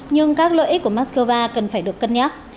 nhưng các lợi ích của moscow cần phải được cân nhắc